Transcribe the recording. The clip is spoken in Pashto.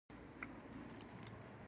دا نارو بڼ به ګڼ شي